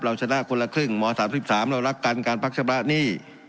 เราชนะคนละครึ่งหมอ๓๓เรารักกันการพักชำระหนี้